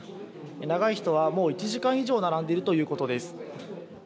長い人はもう１時間以上並んでいるということです。